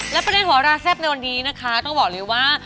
และประเด็นโหราแซ่บในวันนี้นะคะต้องบอกเลยว่า